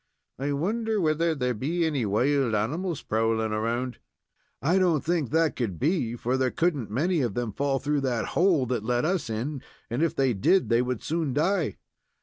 "I wonder whether there be any wild animals prowling around?" "I don't think that could be; for there couldn't many of them fall through that hole that let us in, and if they did, they would soon die."